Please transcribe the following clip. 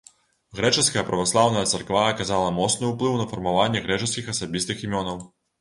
Грэчаская праваслаўная царква аказала моцны ўплыў на фармаванне грэчаскіх асабістых імёнаў.